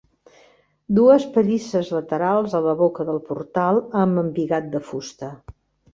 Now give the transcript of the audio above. Dues pallisses laterals a la boca del portal amb embigat de fusta.